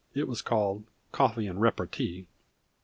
"It was called 'Coffee and Repartee.'"